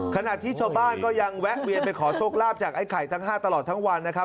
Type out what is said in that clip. ขณะที่ชาวบ้านก็ยังแวะเวียนไปขอโชคลาภจากไอ้ไข่ทั้ง๕ตลอดทั้งวันนะครับ